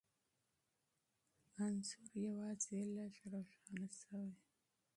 انځور یوازې لږ روښانه شوی،